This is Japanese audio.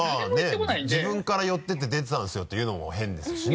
まぁね自分から寄っていって「出てたんですよ」って言うのも変ですしね。